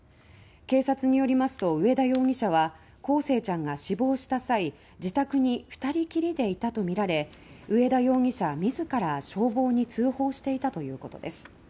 警察によりますと上田容疑者は康生ちゃんが死亡した際自宅に２人きりでいたとみられ上田容疑者自ら消防に通報していたということです。